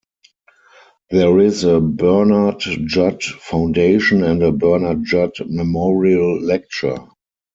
There is a Bernard Judd Foundation and a Bernard Judd Memorial Lecture.